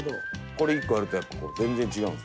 これ一個あるとやっぱ全然違うんですよ。